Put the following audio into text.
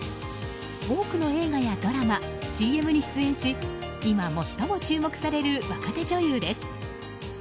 多くの映画やドラマＣＭに出演し今、最も注目される若手女優です。